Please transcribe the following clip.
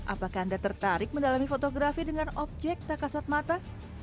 apakah anda tertarik mendalami fotografi dengan objek takasat mata